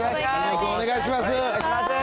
お願いします。